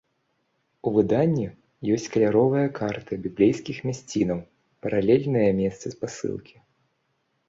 У выданні ёсць каляровыя карты біблейскіх мясцінаў, паралельныя месцы, спасылкі.